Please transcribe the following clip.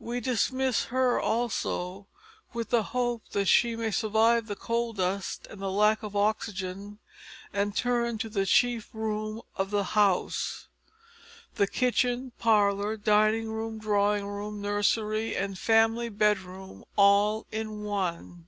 We dismiss her, also, with the hope that she may survive the coal dust and the lack of oxygen, and turn to the chief room of the house the kitchen, parlour, dining room, drawing room, nursery, and family bedroom all in one.